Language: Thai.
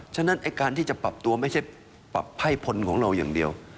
ฉะนั้นไอ้การที่จะปรับตัวไม่ใช่ปรับไพ่พลของเราอย่างเดียว